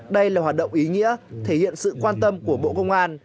đây là hoạt động ý nghĩa thể hiện sự quan tâm của bộ công an